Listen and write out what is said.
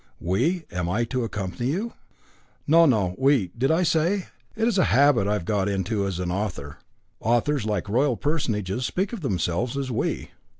"We am I to accompany you?" "No, no. We did I say? It is a habit I have got into as an author. Authors, like royal personages, speak of themselves as We."